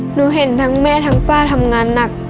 เห็นทั้งแม่ทั้งป้าทำงานหนัก